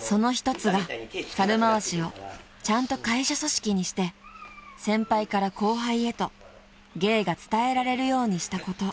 ［その一つが猿回しをちゃんと会社組織にして先輩から後輩へと芸が伝えられるようにしたこと］